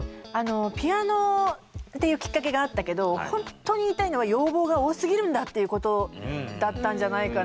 ピアノっていうきっかけがあったけどほんとに言いたいのは要望が多すぎるんだっていうことだったんじゃないかなって。